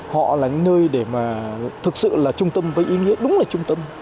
họ là nơi để mà thực sự là trung tâm với ý nghĩa đúng là trung tâm